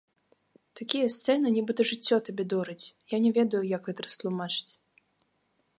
Такія сцэны нібыта жыццё табе дорыць, я не ведаю, як гэта растлумачыць.